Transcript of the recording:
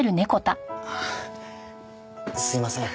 ああすいません。